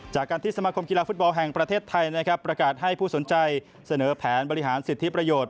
จากการที่สมาคมกีฬาฟุตบอลแห่งประเทศไทยนะครับประกาศให้ผู้สนใจเสนอแผนบริหารสิทธิประโยชน์